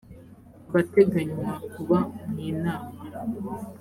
abateganywa kuba mu inama